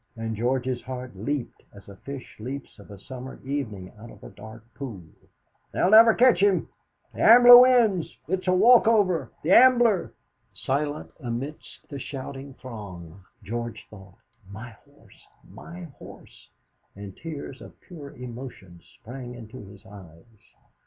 And George's heart leaped, as a fish leaps of a summer evening out of a dark pool. "They'll never catch him. The Ambler wins! It's a walk over! The Ambler!" Silent amidst the shouting throng, George thought: 'My horse! my horse!' and tears of pure emotion sprang into his eyes.